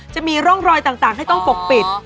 จะมีร่องรอยต่างให้ต้องปกปิด